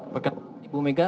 begitulah ibu mega